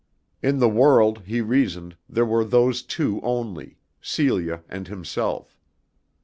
In the world, he reasoned, there were those two only, Celia and himself.